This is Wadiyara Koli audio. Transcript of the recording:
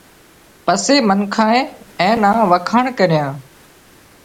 پسي منکانئي اين نا وکاڻ ڪريان